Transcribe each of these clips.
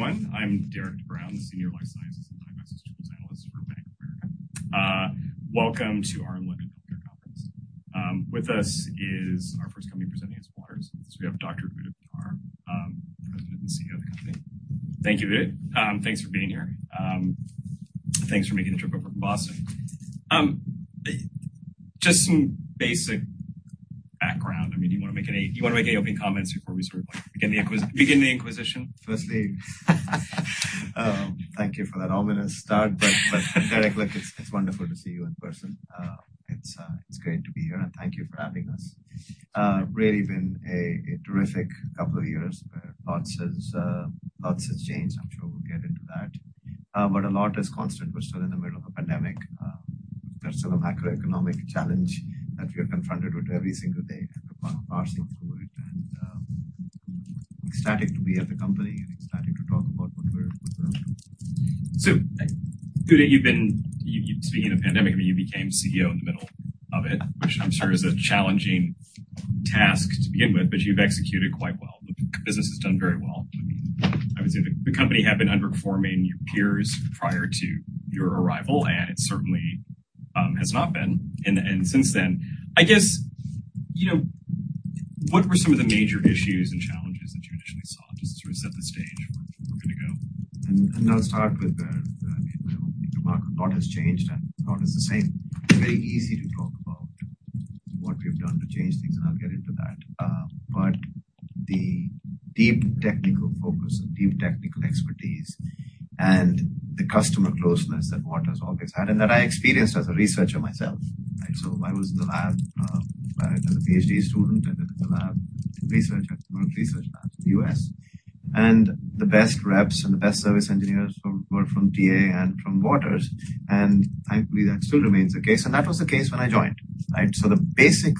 Everyone, I'm Derrick Brown, Senior Life Sciences and Analyst for Bank of America. Welcome to our Enlightened Healthcare Conference. With us is our first company presenting, Waters. So we have Dr. Udit Batra, President and CEO of the company. Thank you, Udit. Thanks for being here. Thanks for making the trip over from Boston. Just some basic background. I mean, do you want to make any open comments before we sort of begin the inquisition? Firstly, thank you for that. I'm going to start, but Derrick, look, it's wonderful to see you in person. It's great to be here, and thank you for having us. Really been a terrific couple of years where lots has changed. I'm sure we'll get into that. But a lot is constant. We're still in the middle of a pandemic. There's still a macroeconomic challenge that we are confronted with every single day, and we're parsing through it and excited to be at the company and excited to talk about what we're up to. So Udit, you've been speaking of the pandemic, and you became CEO in the middle of it, which I'm sure is a challenging task to begin with, but you've executed quite well. The business has done very well. I mean, obviously, the company had been underperforming your peers prior to your arrival, and it certainly has not been. And since then, I guess, what were some of the major issues and challenges that you initially saw? Just to sort of set the stage for where we're going to go. Let's start with that. I mean, I don't think a lot has changed, and a lot is the same. It's very easy to talk about what we've done to change things, and I'll get into that. But the deep technical focus and deep technical expertise and the customer closeness that Waters always had, and that I experienced as a researcher myself. I was in the lab as a PhD student and in the lab research at the research lab in the U.S. The best reps and the best service engineers were from TA and from Waters. I believe that still remains the case. That was the case when I joined. The basic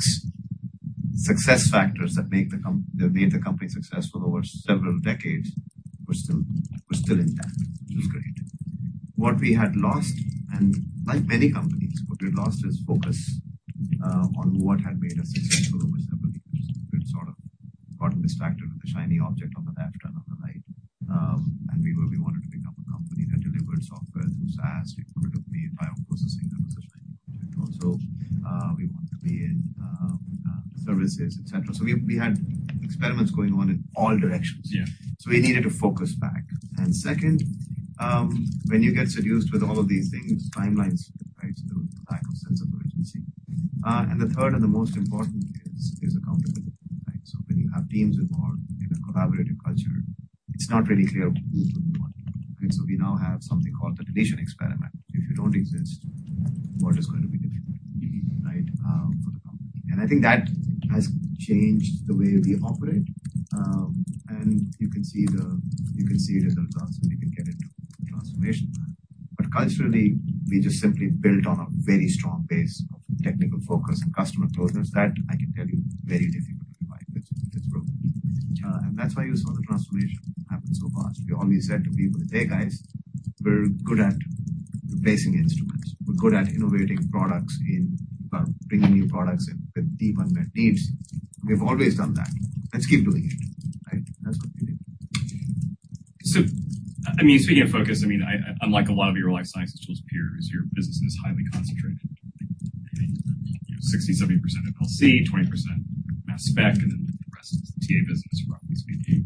success factors that made the company successful over several decades were still intact. It was great. What we had lost, and like many companies, what we'd lost is focus on what had made us successful over several years. We had sort of gotten distracted with the shiny object on the left and on the right. And we wanted to become a company that delivered software through SaaS. We wanted to be in bioprocessing. That was a shiny object also. We wanted to be in services, etc. So we had experiments going on in all directions. So we needed to focus back. And second, when you get seduced with all of these things, timelines are lacking a sense of urgency. And the third, and the most important, is accountability. So when you have teams involved in a collaborative culture, it's not really clear who's doing what. And so we now have something called the deletion experiment. If you don't exist, what is going to be different for the company? And I think that has changed the way we operate. And you can see the results as we begin to get into the transformation. But culturally, we just simply built on a very strong base of technical focus and customer closeness that, I can tell you, is very difficult to revive if it's broken. And that's why you saw the transformation happen so fast. We always said to people, "Hey, guys, we're good at replacing instruments. We're good at innovating products and bringing new products with deep unmet needs. We've always done that. Let's keep doing it." That's what we did. So I mean, speaking of focus, I mean, unlike a lot of your life sciences tools peers, your business is highly concentrated. 60%, 70% of LC, 20% mass spec, and then the rest is TA business, roughly speaking.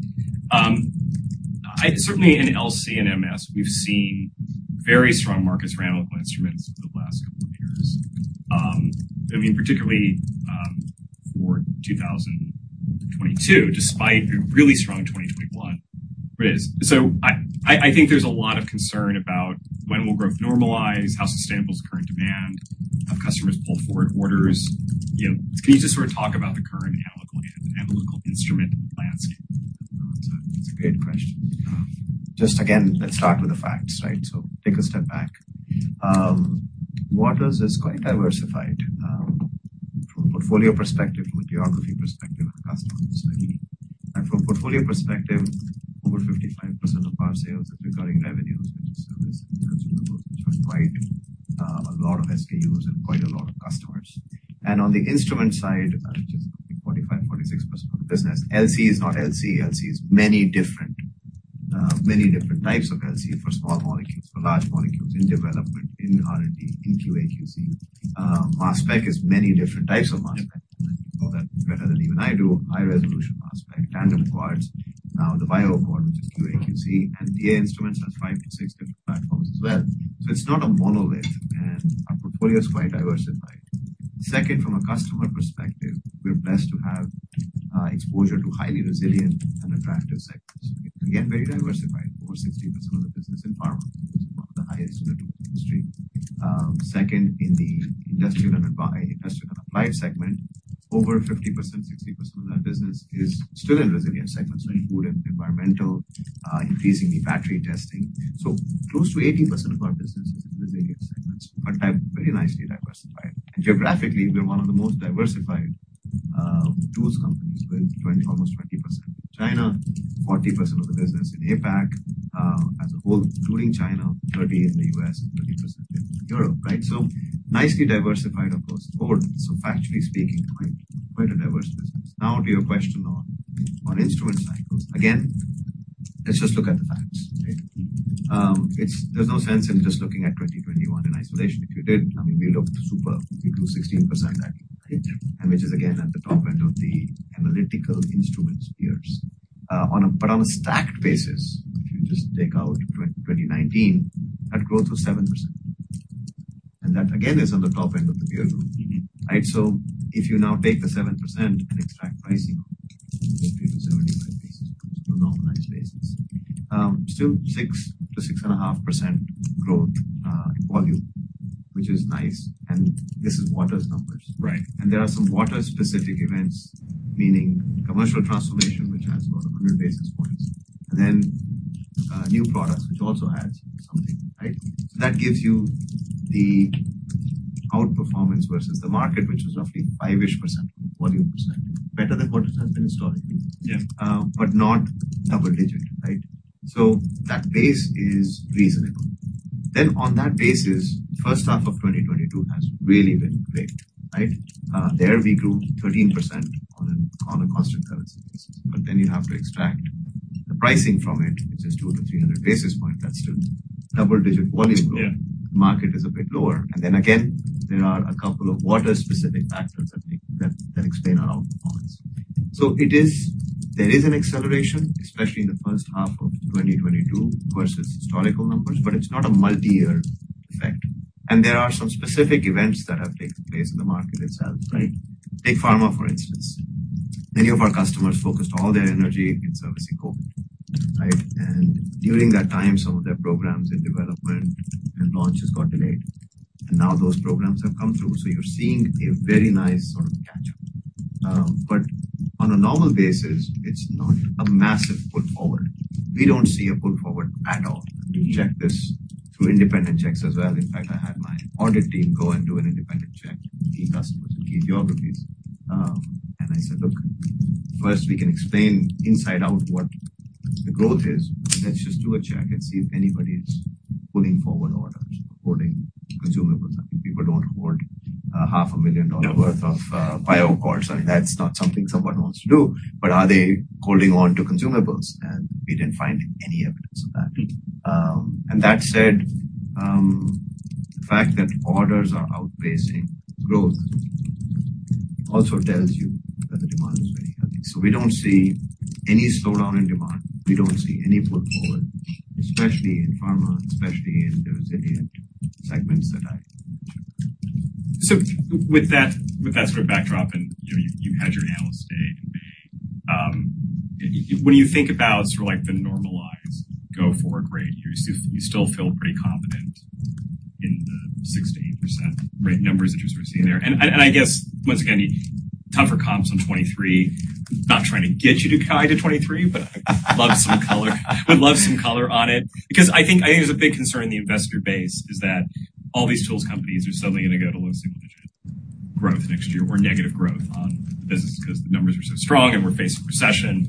Certainly in LC and MS, we've seen very strong markets for analog instruments for the last couple of years. I mean, particularly for 2022, despite a really strong 2021. So I think there's a lot of concern about when will growth normalize, how sustainable is current demand, have customers pull forward orders. Can you just sort of talk about the current analog instrument landscape? That's a great question. Just again, let's start with the facts. So take a step back. Waters is quite diversified from a portfolio perspective, from a geography perspective, and customer perspective. And from a portfolio perspective, over 55% of our sales is regarding revenues, which is service and customer closeness, which are quite a lot of SKUs and quite a lot of customers. And on the instrument side, which is 45%, 46% of the business, LC is not LC. LC is many different types of LC for small molecules, for large molecules in development, in R&D, in QA/QC. mass spec is many different types of mass spec. You know that better than even I do. High resolution mass spec, tandem quads, now the BioAccords, which is QA/QC. And TA Instruments have five to six different platforms as well. So it's not a monolith, and our portfolio is quite diversified. Second, from a customer perspective, we're blessed to have exposure to highly resilient and attractive segments. Again, very diversified. Over 60% of the business in pharma. It's one of the highest in the industry. Second, in the industrial and applied segment, over 50%, 60% of that business is still in resilient segments, like food and environmental, increasingly battery testing. So close to 80% of our business is in resilient segments, but very nicely diversified. And geographically, we're one of the most diversified tools companies with almost 20% in China, 40% of the business in APAC as a whole including China, 30% in the U.S., 30% in Europe. So nicely diversified across the board. So factually speaking, quite a diverse business. Now, to your question on instrument cycles, again, let's just look at the facts. There's no sense in just looking at 2021 in isolation. If you did, I mean, we looked superb. We grew 16% that year, which is again at the top end of the analytical instruments peers. But on a stacked basis, if you just take out 2019, that growth was 7%. And that, again, is on the top end of the peer group. So if you now take the 7% and extract pricing on it, it's 50 to 75 basis points to normalized basis. Still 6%-6.5% growth volume, which is nice. And this is Waters numbers. And there are some Waters-specific events, meaning commercial transformation, which adds about 100 basis points. And then new products, which also adds something. So that gives you the outperformance versus the market, which is roughly 5-ish% volume percent. Better than what it has been historically, but not double-digit. So that base is reasonable. Then on that basis, first half of 2022 has really been great. There we grew 13% on a constant currency basis. But then you have to extract the pricing from it, which is 200 to 300 basis points. That's still double-digit volume growth. The market is a bit lower. And then again, there are a couple of Waters-specific factors that explain our outperformance. So there is an acceleration, especially in the first half of 2022 versus historical numbers, but it's not a multi-year effect. And there are some specific events that have taken place in the market itself. Take pharma, for instance. Many of our customers focused all their energy in servicing COVID. And during that time, some of their programs in development and launches got delayed. And now those programs have come through. So you're seeing a very nice sort of catch-up. But on a normal basis, it's not a massive pull forward. We don't see a pull forward at all. We check this through independent checks as well. In fact, I had my audit team go and do an independent check with key customers and key geographies. And I said, "Look, first we can explain inside out what the growth is. Let's just do a check and see if anybody's pulling forward orders or holding consumables." People don't hold $500,000 worth of BioAccords. I mean, that's not something someone wants to do. But are they holding on to consumables? And we didn't find any evidence of that. That said, the fact that orders are outpacing growth also tells you that the demand is very heavy. So we don't see any slowdown in demand. We don't see any pull forward, especially in pharma, especially in the resilient segments that I mentioned. So with that sort of backdrop, and you had your analyst stay in May, when you think about sort of the normalized go-forward rate, you still feel pretty confident in the 6%-8% numbers that you're sort of seeing there. And I guess, once again, tougher comps on 2023. Not trying to get you to tie to 2023, but I would love some color on it. Because I think there's a big concern in the investor base is that all these tools companies are suddenly going to go to low single-digit growth next year or negative growth on business because the numbers are so strong and we're facing recession,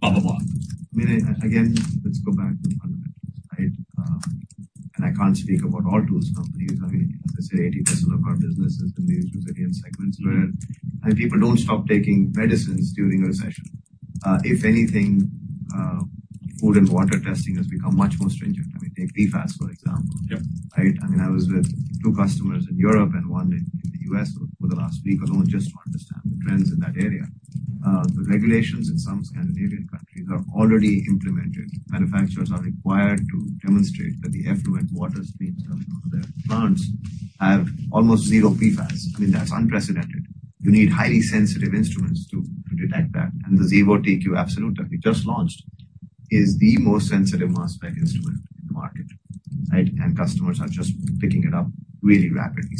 blah, blah, blah. I mean, again, let's go back to fundamentals. And I can't speak about all tools companies. I mean, as I said, 80% of our business is in these resilient segments where people don't stop taking medicines during a recession. If anything, food and water testing has become much more stringent. I mean, take PFAS, for example. I mean, I was with two customers in Europe and one in the U.S. over the last week alone just to understand the trends in that area. The regulations in some Scandinavian countries are already implemented. Manufacturers are required to demonstrate that the effluent water streams done on their plants have almost zero PFAS. I mean, that's unprecedented. You need highly sensitive instruments to detect that. And the Xevo TQ Absolute we just launched is the most sensitive mass spec instrument in the market. And customers are just picking it up really rapidly.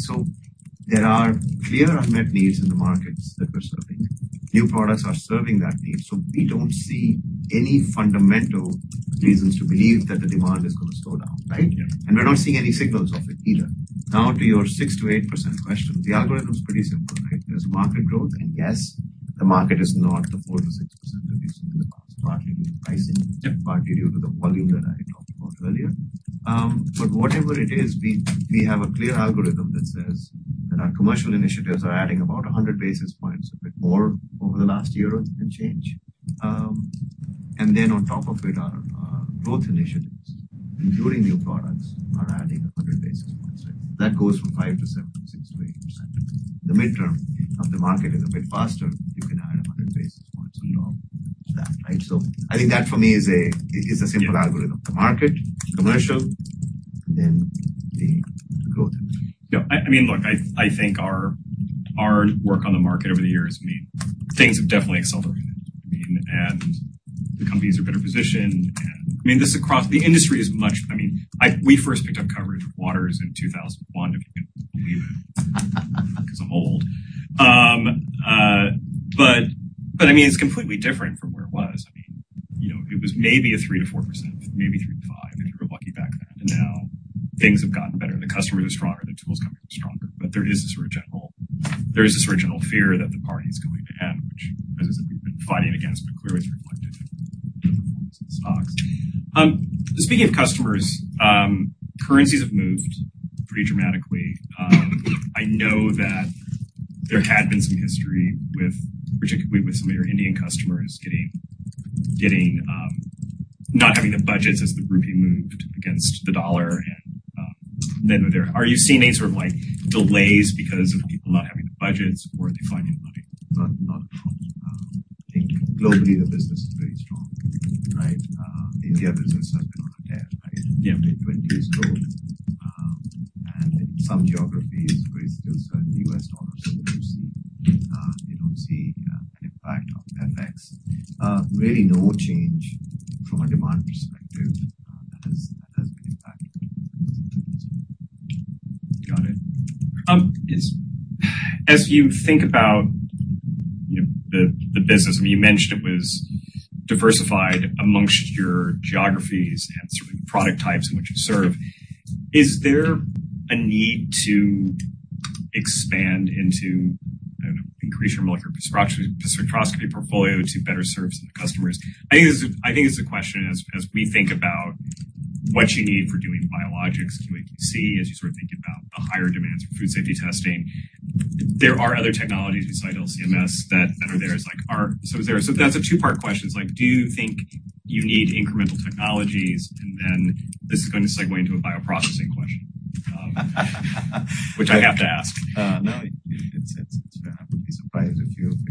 There are clear unmet needs in the markets that we're serving. New products are serving that need. We don't see any fundamental reasons to believe that the demand is going to slow down. We're not seeing any signals of it either. Now, to your 6%-8% question, the algorithm is pretty simple. There's market growth, and yes, the market is not the 4%-6%, reducing in the past, partly due to pricing, partly due to the volume that I talked about earlier. But whatever it is, we have a clear algorithm that says that our commercial initiatives are adding about 100 basis points, a bit more over the last year and change. Then on top of it, our growth initiatives, including new products, are adding 100 basis points. That goes from 5%-7%, 6%-8%. The midterm of the market is a bit faster. You can add 100 basis points on top of that. So I think that for me is a simple algorithm. The market, commercial, and then the growth. Yeah. I mean, look, I think our work on the market over the years, I mean, things have definitely accelerated, and the companies are better positioned, and I mean, this across the industry is much. I mean, we first picked up coverage of Waters in 2001, if you can believe it, because I'm old, but I mean, it's completely different from where it was. I mean, it was maybe a 3%-4%, maybe 3%-5% if you were lucky back then, and now things have gotten better. The customers are stronger. The tools companies are stronger, but there is this sort of general fear that the party is going to end, which, as I said, we've been fighting against, but clearly it's reflected in the performance of the stocks. Speaking of customers, currencies have moved pretty dramatically. I know that there had been some history with, particularly with some of your Indian customers not having the budgets as the rupee moved against the dollar, and then are you seeing any sort of delays because of people not having the budgets, or are they finding the money? Not at all. I think globally, the business is very strong. India business has been on a growth. And in some geographies, where it's still certainly U.S. dollars, you don't see an impact on FX. Really no change from a demand perspective that has been impacted. Got it. As you think about the business, I mean, you mentioned it was diversified among your geographies and certain product types in which you serve. Is there a need to expand into, I don't know, increase your molecular spectroscopy portfolio to better serve some of the customers? I think it's a question as we think about what you need for doing biologics and QA/QC as you sort of think about the higher demands for food safety testing. There are other technologies besides LCMS that are there as like so that's a two-part question. It's like, do you think you need incremental technologies? And then this is going to segue into a bioprocessing question, which I have to ask. No,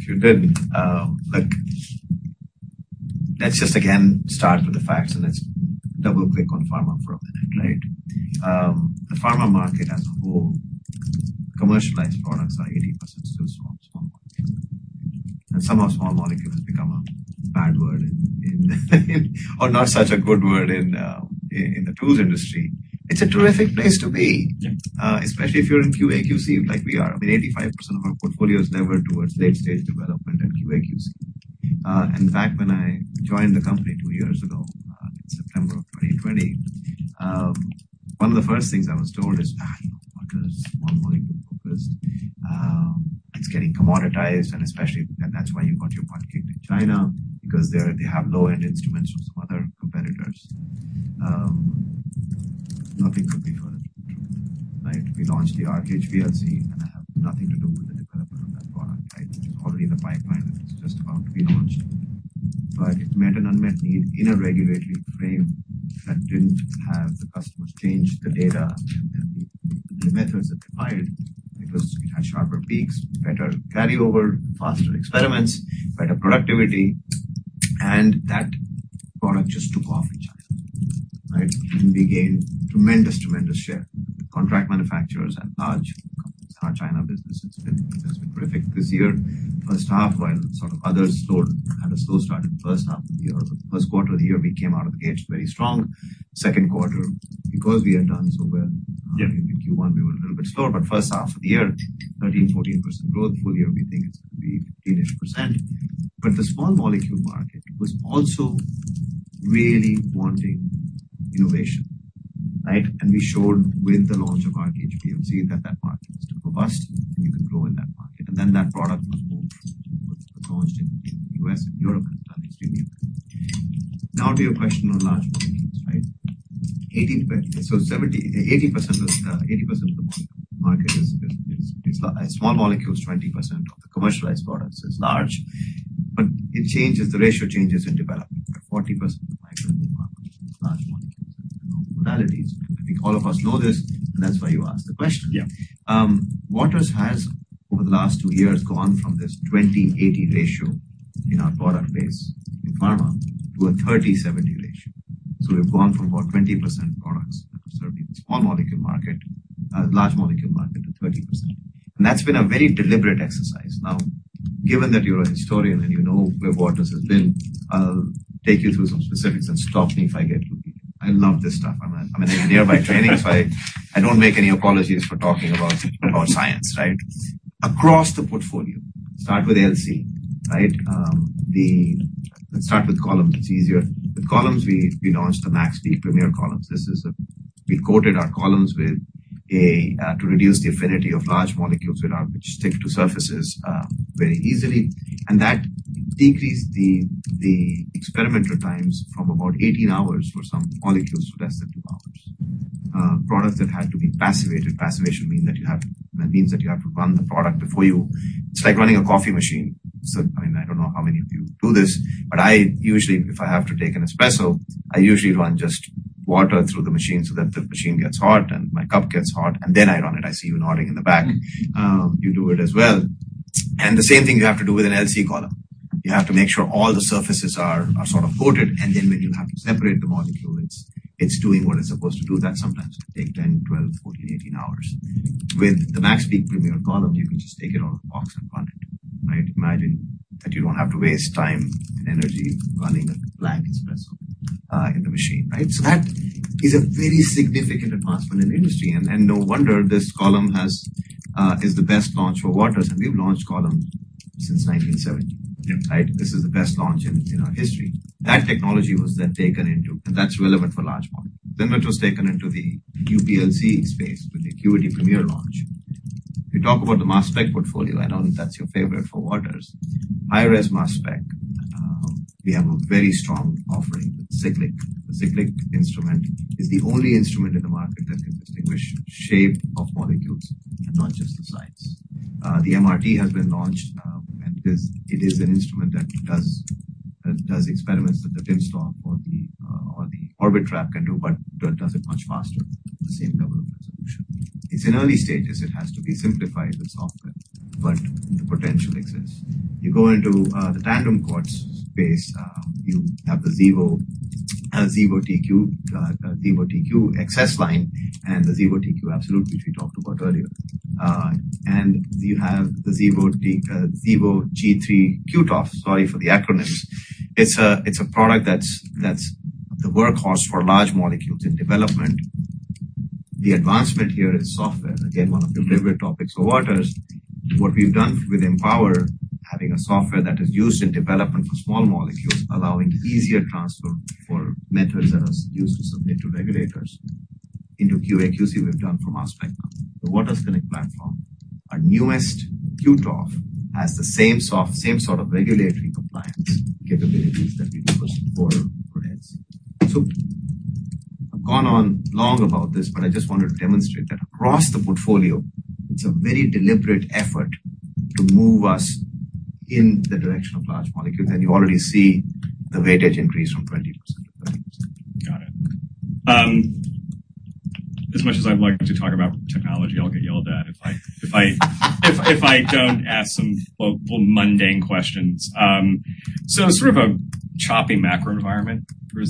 it's fair enough to be surprised if you didn't. Let's just again start with the facts and let's double-click on pharma for a minute. The pharma market as a whole, commercialized products are 80% still small molecules, and somehow small molecules become a bad word in, or not such a good word in the tools industry. It's a terrific place to be, especially if you're in QA/QC like we are. I mean, 85% of our portfolio is levered towards late-stage development and QA/QC, and in fact, when I joined the company two years ago in September of 2020, one of the first things I was told is, "Waters is small-molecule focused. It's getting commoditized," and especially, and that's why you got your market in China, because they have low-end instruments from some other competitors. Nothing could be further from the truth. We launched the Arc HPLC, and I have nothing to do with the development of that product. It's already in the pipeline. It's just about to be launched. But it met an unmet need in a regulatory frame that didn't have the customers change the data and the methods that they filed, because it had sharper peaks, better carryover, faster experiments, better productivity. And that product just took off in China. And we gained tremendous, tremendous share. Contract manufacturers and large companies in our China business, it's been terrific this year. First half, while sort of others had a slow start in the first half of the year, the first quarter of the year, we came out of the gates very strong. Second quarter, because we had done so well in Q1, we were a little bit slower. But first half of the year, 13%-14% growth. Full year, we think it's going to be 15-ish%. But the small molecule market was also really wanting innovation. And we showed with the launch of Arc HPLC that that market is still robust and you can grow in that market. And then that product was launched in the U.S. and Europe and has done extremely well. Now, to your question on large molecules, so 80% of the molecule market is small molecules, 20% of the commercialized products is large. But the ratio changes in development. 40% of the micro and the large molecules have modalities. I think all of us know this, and that's why you asked the question. Waters has, over the last two years, gone from this 20/80 ratio in our product base in pharma to a 30/70 ratio. So we've gone from about 20% products that are serving the small molecule market, large molecule market to 30%. And that's been a very deliberate exercise. Now, given that you're a historian and you know where Waters has been, I'll take you through some specifics. And stop me if I get loopy. I love this stuff. I'm an engineer by training, so I don't make any apologies for talking about science. Across the portfolio, start with LC. Let's start with columns. It's easier. With columns, we launched the MaxPeak Premier columns. We coated our columns to reduce the affinity of large molecules which stick to surfaces very easily. And that decreased the experimental times from about 18 hours for some molecules to less than two hours. Products that had to be passivated. Passivation means that you have to run the product before you, it's like running a coffee machine. I mean, I don't know how many of you do this, but usually, if I have to take an espresso, I usually run just water through the machine so that the machine gets hot and my cup gets hot. And then I run it. I see you nodding in the back. You do it as well. And the same thing you have to do with an LC column. You have to make sure all the surfaces are sort of coated. And then when you have to separate the molecule, it's doing what it's supposed to do. That sometimes can take 10, 12, 14, 18 hours. With the MaxPeak Premier column, you can just take it out of the box and run it. Imagine that you don't have to waste time and energy running a blank espresso in the machine, so that is a very significant advancement in the industry, and no wonder this column is the best launch for Waters. And we've launched columns since 1970. This is the best launch in our history. That technology was then taken into, and that's relevant for large molecules. Then it was taken into the UPLC space with the ACQUITY Premier launch. You talk about the mass spec portfolio. I know that's your favorite for Waters. High-res mass spec. We have a very strong offering with Cyclic. The Cyclic instrument is the only instrument in the market that can distinguish shape of molecules and not just the size. The MRT has been launched. It is an instrument that does experiments that the timsTOF or the Orbitrap can do, but does it much faster at the same level of resolution. It's in early stages. It has to be simplified with software, but the potential exists. You go into the tandem quads space. You have the Xevo TQ, Xevo TQ-XS, and the Xevo TQ Absolute, which we talked about earlier. You have the Xevo G3 QTOF. Sorry for the acronyms. It's a product that's the workhorse for large molecules in development. The advancement here is software. Again, one of the deliberate topics for Waters. What we've done with Empower, having a software that is used in development for small molecules, allowing easier transfer for methods that are used to submit to regulators, into QA/QC, we've done for mass spec. The Waters Connect platform, our newest QTOF, has the same sort of regulatory compliance capabilities that we requested for, so I've gone on long about this, but I just wanted to demonstrate that across the portfolio, it's a very deliberate effort to move us in the direction of large molecules, and you already see the weightage increase from 20%. Got it. As much as I'd like to talk about technology, I'll get yelled at if I don't ask some mundane questions. So sort of a choppy macro environment we're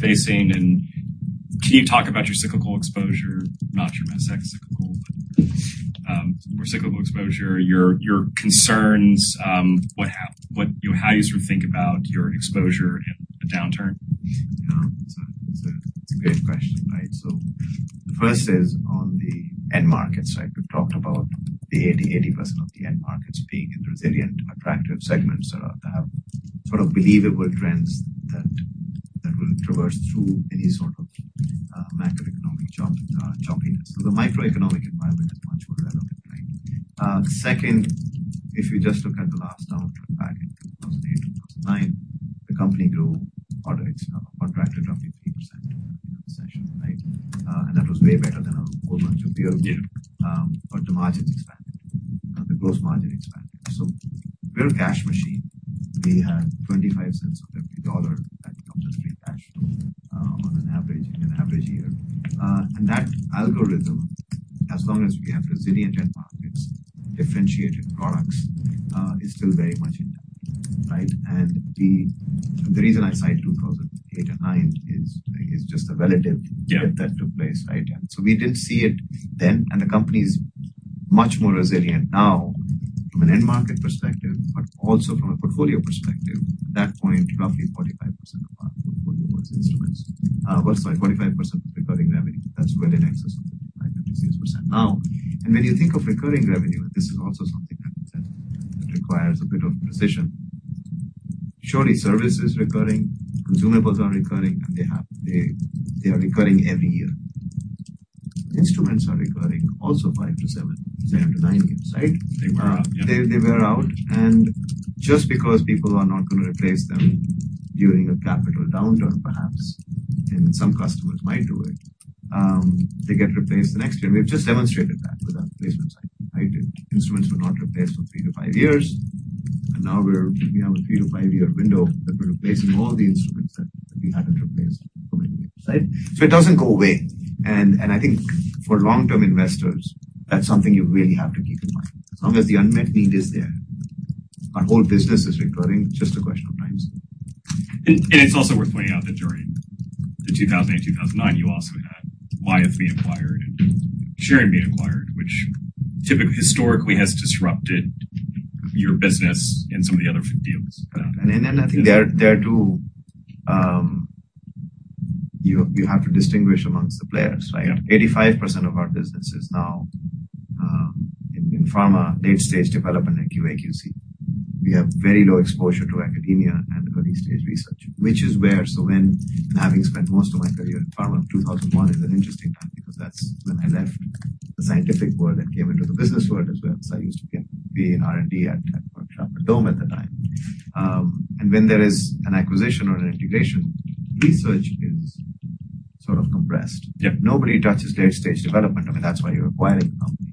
facing. And can you talk about your cyclical exposure, not your mass spec cyclical, more cyclical exposure, your concerns, how you sort of think about your exposure in a downturn? Yeah. It's a great question. So the first is on the end market side. We've talked about the 80%, 80% of the end markets being in resilient, attractive segments that have sort of believable trends that will traverse through any sort of macroeconomic choppiness. So the microeconomic environment is much more relevant. Second, if you just look at the last downturn back in 2008, 2009, the company grew, contracted roughly 3% in a recession. And that was way better than our whole bunch of years. But the margin expanded. The gross margin expanded. So we're a cash machine. We had $0.25 of every dollar that comes as free cash on an average year. And that algorithm, as long as we have resilient end markets, differentiated products, is still very much intact. And the reason I cite 2008 and 2009 is just the relative dip that took place. And so we didn't see it then. And the company is much more resilient now from an end market perspective, but also from a portfolio perspective. At that point, roughly 45% of our portfolio was instruments. Sorry, 45% was recurring revenue. That's well in excess of 5%-6% now. And when you think of recurring revenue, and this is also something that requires a bit of precision, surely services are recurring, consumables are recurring, and they are recurring every year. Instruments are recurring also five to seven, seven to nine years. They wear out. And just because people are not going to replace them during a capital downturn, perhaps, and some customers might do it, they get replaced the next year. We've just demonstrated that with our replacement cycle. Instruments were not replaced for three to five years. And now we have a three-to-five-year window that we're replacing all the instruments that we hadn't replaced for many years. So it doesn't go away. And I think for long-term investors, that's something you really have to keep in mind. As long as the unmet need is there, our whole business is recurring. It's just a question of time zone. It's also worth pointing out that during the 2008-2009, you also had Wyatt being acquired and Schering being acquired, which historically has disrupted your business and some of the other deals. Then I think there too, you have to distinguish among the players. 85% of our business is now in pharma, late-stage development and QA/QC. We have very low exposure to academia and early-stage research, which is where, so when having spent most of my career in pharma, 2001 is an interesting time because that's when I left the scientific world and came into the business world as well. I used to be in R&D at Merck Sharp & Dohme at the time. When there is an acquisition or an integration, research is sort of compressed. Nobody touches late-stage development. I mean, that's why you're acquiring a company.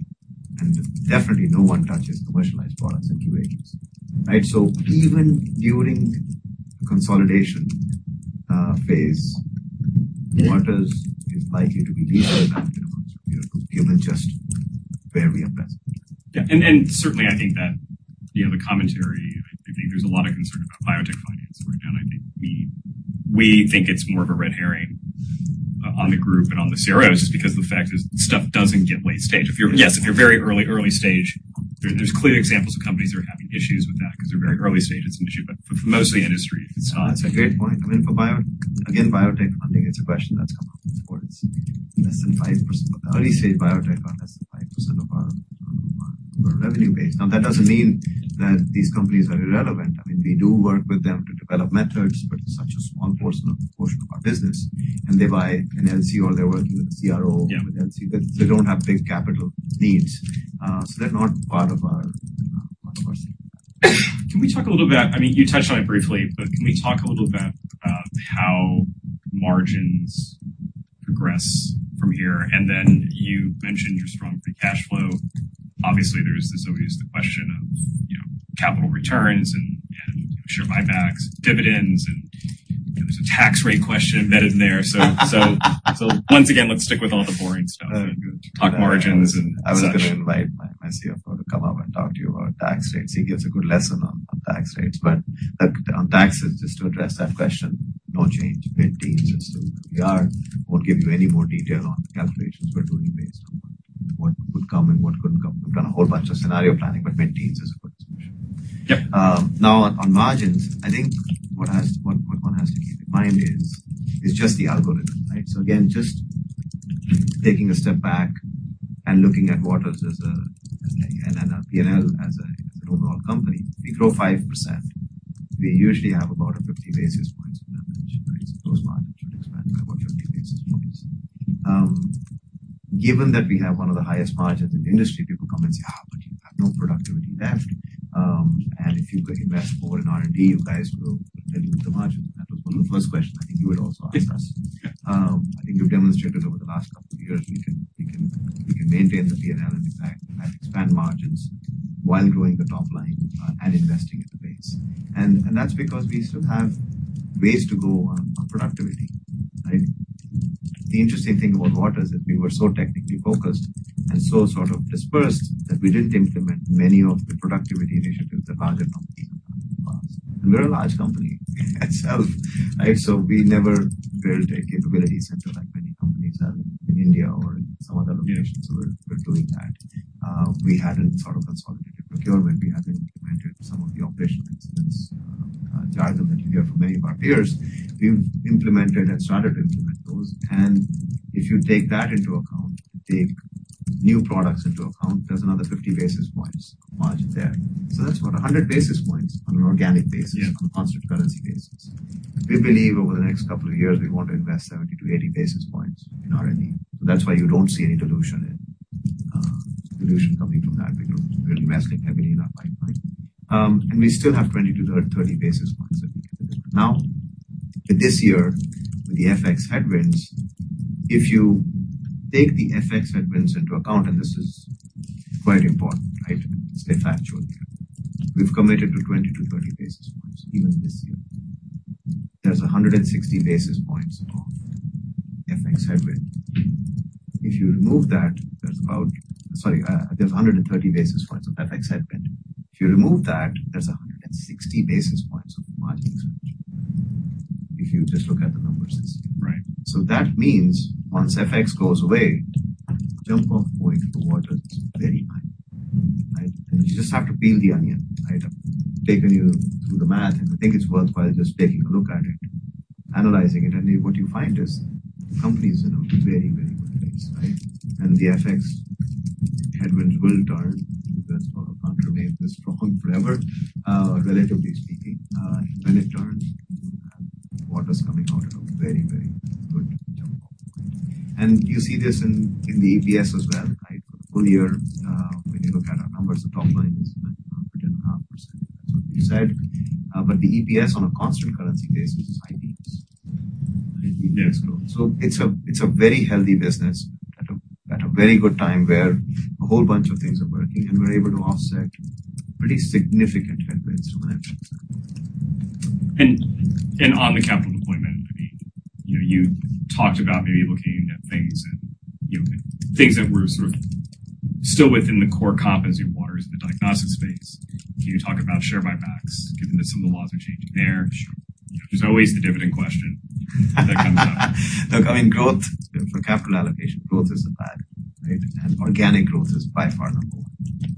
Definitely no one touches commercialized products and QA/QC. Even during the consolidation phase, Waters is likely to be least impacted among the peer groups given just where we are present. Yeah, and certainly, I think that the commentary, I think there's a lot of concern about biotech finance right now, and I think we think it's more of a red herring on the group and on the CROs just because the fact is stuff doesn't get late-stage. If you're very early-stage, there's clear examples of companies that are having issues with that because they're very early-stage. It's an issue, but for most of the industry, it's not. That's a great point. I mean, again, biotech funding, it's a question that's come up. It's worth less than 5% of the early-stage biotech or less than 5% of our revenue base. Now, that doesn't mean that these companies are irrelevant. I mean, we do work with them to develop methods, but it's such a small portion of our business, and they buy an LC or they're working with a CRO with LC. They don't have big capital needs, so they're not part of our cycle. Can we talk a little bit? I mean, you touched on it briefly, but can we talk a little bit about how margins progress from here? And then you mentioned your strong free cash flow. Obviously, there's always the question of capital returns and share buybacks, dividends, and there's a tax rate question embedded in there. So once again, let's stick with all the boring stuff and talk margins and. I was going to invite my CFO to come up and talk to you about tax rates. He gives a good lesson on tax rates, but on taxes, just to address that question, no change. We'll give you any more detail on calculations we're doing based on what would come and what couldn't come. We've done a whole bunch of scenario planning, but maintaining is a good discussion. Now, on margins, I think what one has to keep in mind is just the algorithm, so again, just taking a step back and looking at Waters and P&L as an overall company, we grow 5%. We usually have about 50 basis points of that margin, so those margins should expand by about 50 basis points. Given that we have one of the highest margins in the industry, people come and say, "but you have no productivity left. And if you invest more in R&D, you guys will dilute the margins." That was one of the first questions I think you would also ask us. I think you've demonstrated over the last couple of years, we can maintain the P&L and in fact expand margins while growing the top line and investing in the base, and that's because we still have ways to go on productivity. The interesting thing about Waters is we were so technically focused and so sort of dispersed that we didn't implement many of the productivity initiatives that large companies have done in the past, and we're a large company itself, so we never built a capability center like many companies have in India or in some other locations. So we're doing that. We hadn't sort of consolidated procurement. We haven't implemented some of the operational initiatives that you hear from many of our peers. We've implemented and started to implement those. And if you take that into account, take new products into account, there's another 50 basis points of margin there. So that's about 100 basis points on an organic basis, on a constant currency basis. We believe over the next couple of years, we want to invest 70 to 80 basis points in R&D. So that's why you don't see any dilution coming from that. We're investing heavily in our pipeline. And we still have 20 to 30 basis points that we can implement. Now, this year, with the FX headwinds, if you take the FX headwinds into account, and this is quite important, it's a factual data, we've committed to 20-30 basis points even this year. There's 160 basis points of FX headwind. If you remove that, there's about, sorry, there's 130 basis points of FX headwind. If you remove that, there's 160 basis points of margin expansion. If you just look at the numbers this year. So that means once FX goes away, the jump-off point for Waters is very high, and you just have to peel the onion. I've taken you through the math, and I think it's worthwhile just taking a look at it, analyzing it, and what you find is the company is in a very, very good place, and the FX headwinds will turn. We've got sort of counterweight this strong forever, relatively speaking. When it turns, Waters is coming out at a very, very good jump-off point, and you see this in the EPS as well. For the full year, when you look at our numbers, the top line is %. That's what we said, but the EPS on a constant currency basis is high teens. So it's a very healthy business at a very good time where a whole bunch of things are working, and we're able to offset pretty significant headwinds from FX. On the capital deployment, I mean, you talked about maybe looking at things and things that were sort of still within the core competency of Waters in the diagnostic space. Can you talk about share buybacks given that some of the laws are changing there? There's always the dividend question that comes up. Look, I mean, growth for capital allocation. Growth is the path, and organic growth is by far.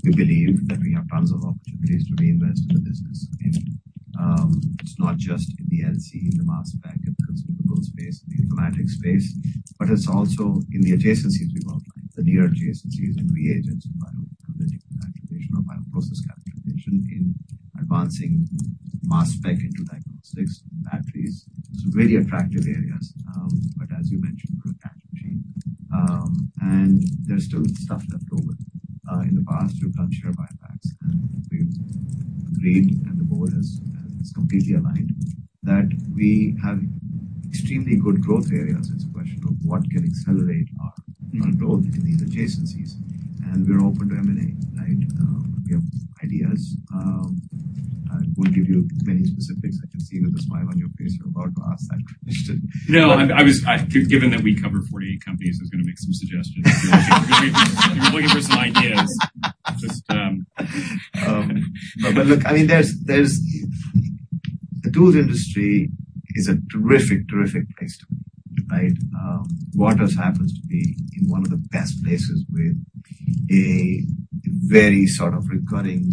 We believe that we have tons of opportunities to reinvest in the business. It's not just in the LC, in the mass spec, in the consumable space, in the informatics space, but it's also in the adjacencies we've outlined, the near adjacencies in reagents and in advancing mass spec into diagnostics, batteries. Those are very attractive areas, but as you mentioned, we're a cash machine, and there's still stuff left over. In the past, we've done share buybacks, and we've agreed, and the board has completely aligned that we have extremely good growth areas. It's a question of what can accelerate our growth in these adjacencies, and we're open to M&A. We have ideas. I won't give you many specifics. I can see with a smile on your face you're about to ask that question. No, given that we cover 48 companies, I was going to make some suggestions. You're looking for some ideas. But look, I mean, the tools industry is a terrific, terrific place to be. Waters happens to be in one of the best places with a very sort of recurring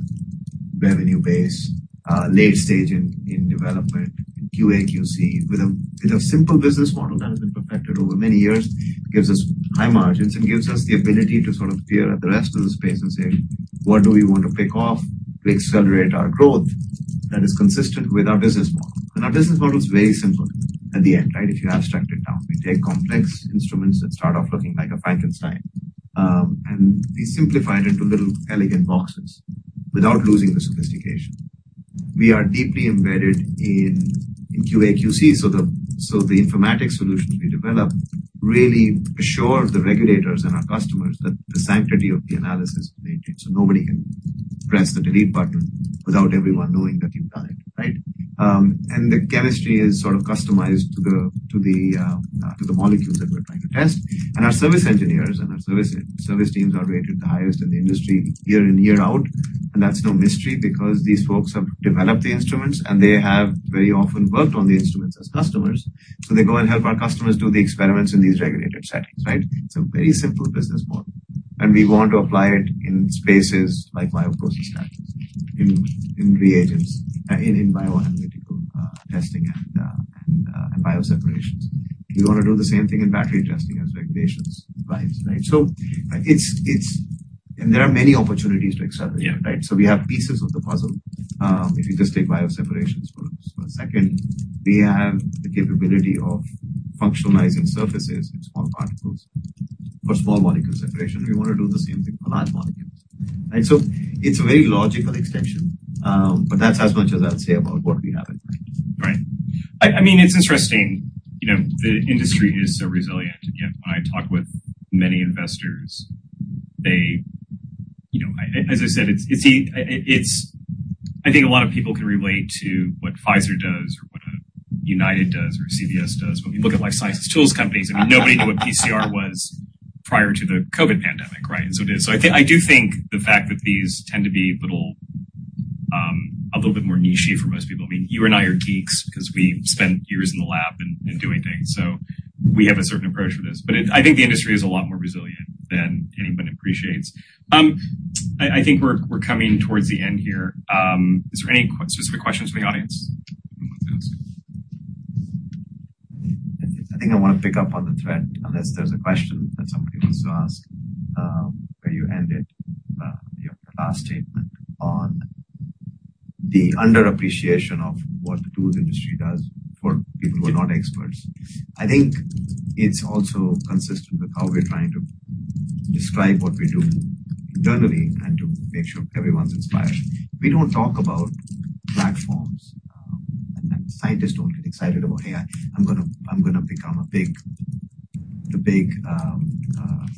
revenue base, late-stage in development, QA/QC, with a simple business model that has been perfected over many years. It gives us high margins and gives us the ability to sort of peer at the rest of the space and say, "What do we want to pick off to accelerate our growth that is consistent with our business model?" And our business model is very simple at the end. If you abstract it down, we take complex instruments that start off looking like a Frankenstein, and we simplify it into little elegant boxes without losing the sophistication. We are deeply embedded in QA/QC. So the informatics solutions we develop really assure the regulators and our customers that the sanctity of the analysis is maintained. So nobody can press the delete button without everyone knowing that you've done it. And the chemistry is sort of customized to the molecules that we're trying to test. And our service engineers and our service teams are rated the highest in the industry year in, year out. And that's no mystery because these folks have developed the instruments, and they have very often worked on the instruments as customers. So they go and help our customers do the experiments in these regulated settings. It's a very simple business model. And we want to apply it in spaces like bioprocess stack, in bioanalytical testing and bioseparations. We want to do the same thing in battery testing as regulations applies. And there are many opportunities to accelerate. So we have pieces of the puzzle. If you just take bioseparations for a second, we have the capability of functionalizing surfaces in small particles for small molecule separation. We want to do the same thing for large molecules. So it's a very logical extension, but that's as much as I'll say about what we have in mind. Right. I mean, it's interesting. The industry is so resilient. And yet, when I talk with many investors, as I said, I think a lot of people can relate to what Pfizer does or what United does or CVS does. When we look at life sciences tools companies, I mean, nobody knew what PCR was prior to the COVID pandemic, right, and so I do think the fact that these tend to be a little bit more niche-y for most people. I mean, you and I are geeks because we spent years in the lab and doing things, so we have a certain approach for this, but I think the industry is a lot more resilient than anyone appreciates. I think we're coming towards the end here. Is there any specific questions from the audience? I think I want to pick up on the thread unless there's a question that somebody wants to ask where you ended your last statement on the underappreciation of what the tools industry does for people who are not experts. I think it's also consistent with how we're trying to describe what we do internally and to make sure everyone's inspired. We don't talk about platforms, and scientists don't get excited about, "Hey, I'm going to become a big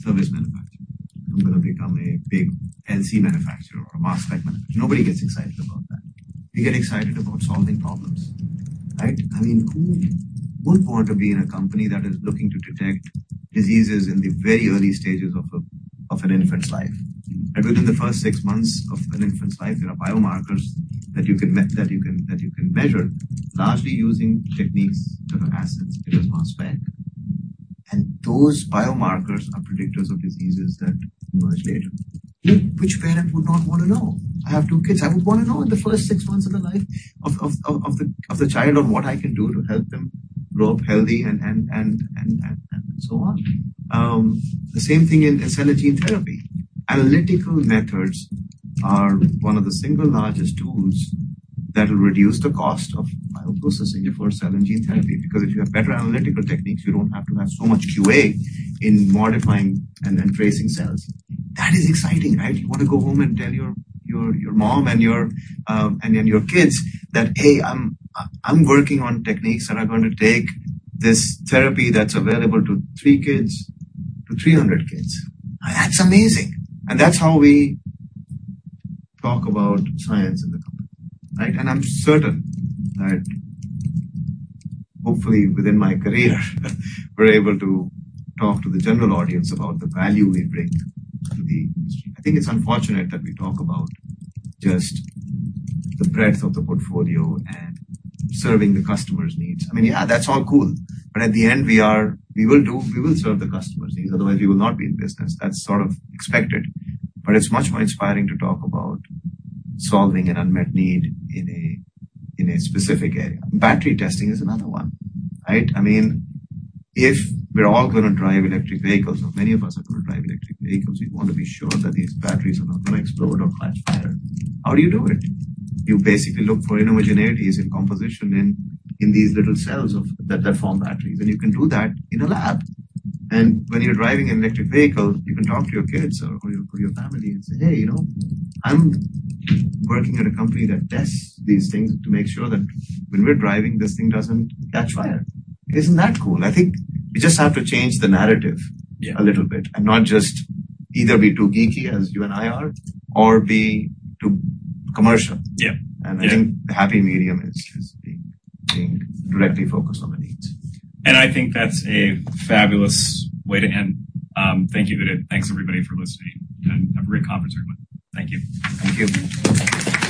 service manufacturer. I'm going to become a big LC manufacturer or a mass spec manufacturer." Nobody gets excited about that. We get excited about solving problems. I mean, who would want to be in a company that is looking to detect diseases in the very early stages of an infant's life? Within the first six months of an infant's life, there are biomarkers that you can measure largely using techniques that are assets because mass spec. Those biomarkers are predictors of diseases that emerge later. Which parent would not want to know? I have two kids. I would want to know in the first six months of the life of the child on what I can do to help them grow up healthy and so on. The same thing in cell and gene therapy. Analytical methods are one of the single largest tools that will reduce the cost of bioprocessing for cell and gene therapy. Because if you have better analytical techniques, you don't have to have so much QA in modifying and tracing cells. That is exciting. You want to go home and tell your mom and your kids that, "Hey, I'm working on techniques that are going to take this therapy that's available to 300 kids." That's amazing. And that's how we talk about science in the company. And I'm certain that hopefully within my career, we're able to talk to the general audience about the value we bring to the industry. I think it's unfortunate that we talk about just the breadth of the portfolio and serving the customer's needs. I mean, yeah, that's all cool. But at the end, we will serve the customer's needs. Otherwise, we will not be in business. That's sort of expected. But it's much more inspiring to talk about solving an unmet need in a specific area. Battery testing is another one. I mean, if we're all going to drive electric vehicles, or many of us are going to drive electric vehicles, we want to be sure that these batteries are not going to explode or catch fire. How do you do it? You basically look for homogeneities in composition in these little cells that form batteries. And you can do that in a lab. And when you're driving an electric vehicle, you can talk to your kids or your family and say, "Hey, I'm working at a company that tests these things to make sure that when we're driving, this thing doesn't catch fire." Isn't that cool? I think we just have to change the narrative a little bit and not just either be too geeky as you and I are or be too commercial. And I think the happy medium is being directly focused on the needs. I think that's a fabulous way to end. Thank you, Udit. Thanks, everybody, for listening. Have a great conference, everyone. Thank you. Thank you.